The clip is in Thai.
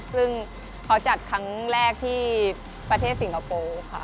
ซึ่งเขาจัดครั้งแรกที่ประเทศสิงคโปร์ค่ะ